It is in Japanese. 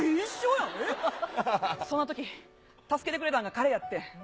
そのとき、助けてくれたんが彼やってん。